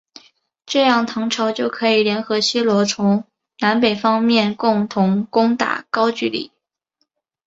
这样唐朝就可以联合新罗从南北两面共同攻打高句丽。